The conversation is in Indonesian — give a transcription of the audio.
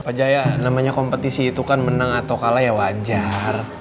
pak jaya namanya kompetisi itu kan menang atau kalah ya wajar